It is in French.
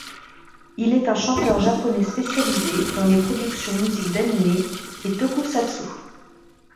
Il est un chanteur japonais spécialisé dans les productions musiques d'animé et tokusatsu.